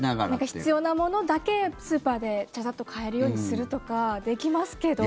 必要なものだけスーパーでちゃちゃっと買えるようにするとかできますけど。